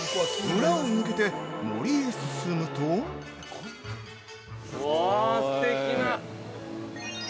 ◆村を抜けて、森へ進むと◆うわ、すてきな。